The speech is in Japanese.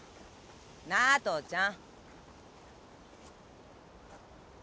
なあ父ちゃん。